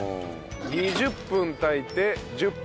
２０分炊いて１０分蒸らす。